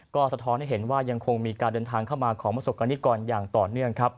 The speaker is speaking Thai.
ก็สะท้อนให้เห็นว่ายังคงมีการเดินทางเข้ามาของประสบกรณิกรอย่างต่อเนื่องครับ